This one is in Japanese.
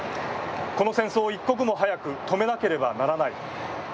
この戦争を一刻も早く止めなければならない。